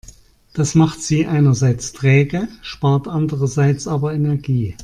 Das macht sie einerseits träge, spart andererseits aber Energie.